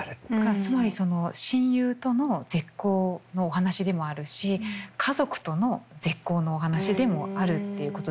つまりその親友との絶交のお話でもあるし家族との絶交のお話でもあるっていうことですよね。